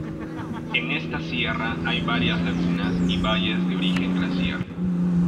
En esta sierra hay varias lagunas y valles de origen glaciar.